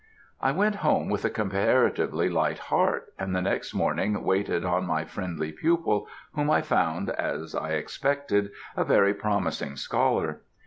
"I went home with a comparitively light heart, and the next morning waited on my friendly pupil, whom I found, as I expected, a very promising scholar.